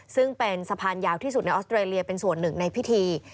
ซึ่งเป็นสะพานยาวที่สุดในออสเตรเลียเป็นส่วนหนึ่งในพิธี